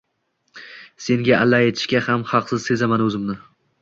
Senga alla aytishga ham haqsiz sezaman o`zimni